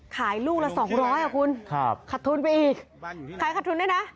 ขายลูกละ๒๐๐อ่ะคุณขาดทุนไปอีกขายขัดทุนด้วยนะ